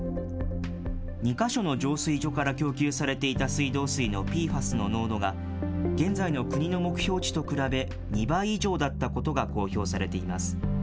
２か所の浄水所から供給されていた水道水のＰＦＡＳの濃度が、現在の国の目標値と比べ、２倍以上だったことが公表されています。